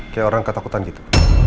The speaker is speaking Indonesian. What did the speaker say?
kayak orang ketakutan gitu